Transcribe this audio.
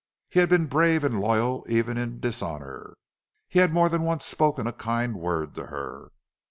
He had been brave and loyal even in dishonor. He had more than once spoken a kind word to her.